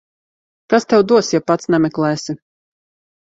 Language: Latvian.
Kas tev dos, ja pats nemeklēsi.